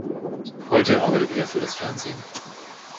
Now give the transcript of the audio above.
Heute arbeitet er für das Fernsehen.